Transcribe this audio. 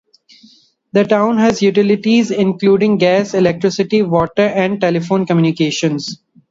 The town has utilities including gas, electricity, water, and telephone communications.